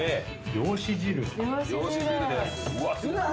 漁師汁です。